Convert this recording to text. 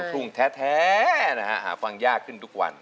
เพลงทุ่งแท้หาฟังยากขึ้นทุกวัน